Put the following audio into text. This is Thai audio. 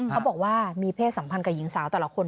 เขาบอกว่ามีเพศสัมพันธ์กับหญิงสาวแต่ละคน